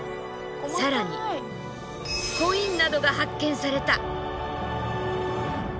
更にコインなどが発見された。